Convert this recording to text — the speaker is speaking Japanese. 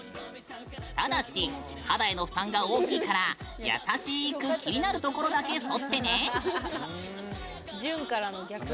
ただし、肌への負担が大きいから優しく気になるところだけ剃ってね。